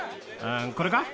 これか？